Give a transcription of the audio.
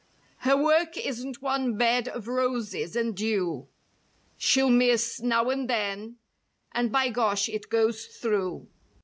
Her work isn't one bed of roses and dew— She'll miss now and then and By Gosh, it goes through.